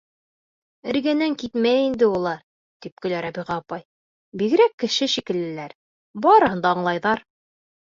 — Эргәнән китмәй инде улар, — тип көлә Рабиға апай, — бигерәк кеше шикеллеләр, барыһын да аңлайҙар.